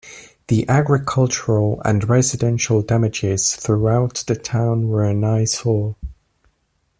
The agricultural and residential damages throughout the town were an eyesore.